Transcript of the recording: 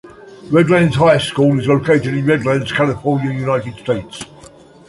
Redlands High School is located in Redlands, California, United States.